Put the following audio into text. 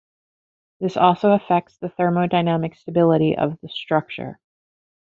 This also affects the thermodynamic stability of the structure.